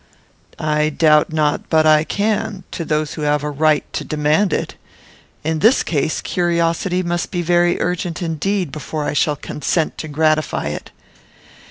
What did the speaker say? "I doubt not but I can to those who have a right to demand it. In this case, curiosity must be very urgent indeed before I shall consent to gratify it."